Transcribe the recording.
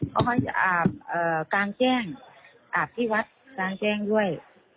เขาจะอาบกลางแจ้งอาบที่วัดกลางแจ้งด้วย